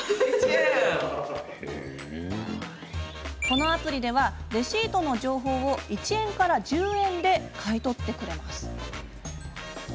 このアプリではレシートの情報を１円から１０円で買い取ってくれます。